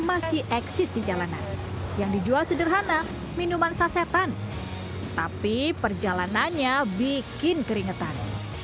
masih eksis di jalanan yang dijual sederhana minuman sasetan tapi perjalanannya bikin keringetan